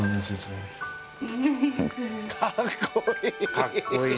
かっこいい！